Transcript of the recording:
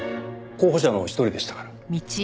候補者の一人でしたから。